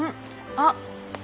あっ。